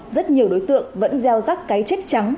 rất nhiều đối tượng vẫn gieo rắc cái chết trắng